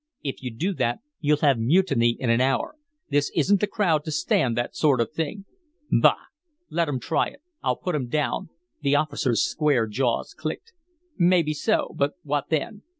"If you do that, you'll have mutiny in an hour. This isn't the crowd to stand that sort of thing." "Bah! Let 'em try it. I'll put 'em down." The officer's square jaws clicked. "Maybe so; but what then?